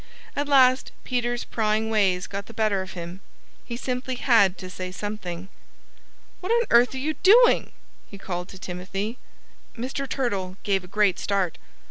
At last Peter's prying ways got the better of him. He simply had to say something. "What on earth are you doing!" he called to Timothy. Mr. Turtle gave a great start.